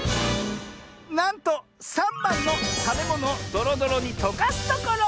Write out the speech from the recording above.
なんと３ばんの「たべものをどろどろにとかすところ」！